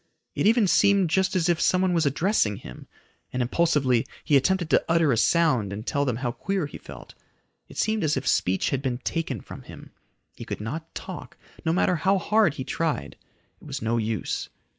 It even seemed just as if someone was addressing him, and impulsively he attempted to utter a sound and tell them how queer he felt. It seemed as if speech had been taken from him. He could not talk, no matter how hard he tried. It was no use.